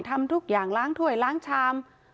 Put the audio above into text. ทำทุกอย่างล้างถ้วยล้างชาม